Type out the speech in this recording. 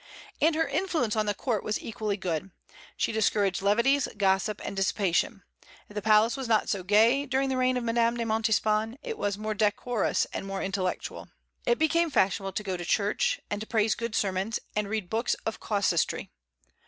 And her influence on the court was equally good. She discouraged levities, gossip, and dissipation. If the palace was not so gay as during the reign of Madame de Montespan, it was more decorous and more intellectual. It became fashionable to go to church, and to praise good sermons and read books of casuistry.